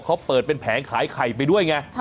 เขาเปิดเป็นแผงขายไข่ไปด้วยไง